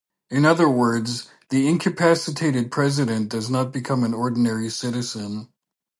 In other words, the incapacitated President does not become an ordinary citizen.